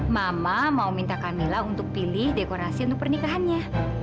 mama mau minta camilla untuk pilih dekorasi untuk pernikahannya